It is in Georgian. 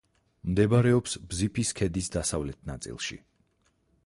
მდებარეობს ბზიფის ქედის დასავლეთ ნაწილში.